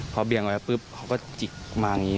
เพราบียงอย่างนั้นปึ๊บเขาก็กิ๊กมาอย่างงี้